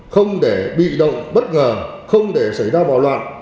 không để bị động bất ngờ không để xảy ra bạo loạn